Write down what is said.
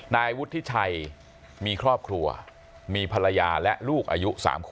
นายมีครอบครัวมีผลานาย